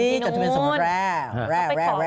จดทะเบียนสมรสแรก